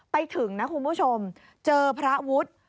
ไปถึงนะคุณผู้ชมเจอพระวุฒิ